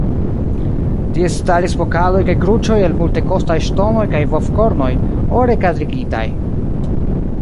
Tie staris pokaloj kaj kruĉoj el multekostaj ŝtonoj kaj bovkornoj, ore kadrigitaj.